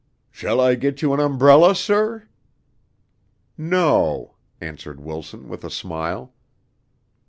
"Shall I get you an umbrella, sir?" "No," answered Wilson, with a smile.